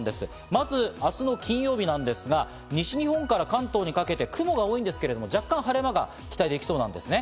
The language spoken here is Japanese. まず、明日の金曜日なんですが、西日本から関東にかけて雲が多いんですけど、若干晴れ間が期待できそうなんですね。